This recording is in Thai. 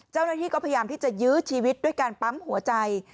เจ้าหน้าที่ก็พยายามที่จะยื้อชีวิตด้วยการปั๊มหัวใจ